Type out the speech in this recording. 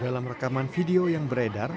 dalam rekaman video yang beredar